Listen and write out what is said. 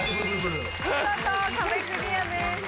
見事壁クリアです。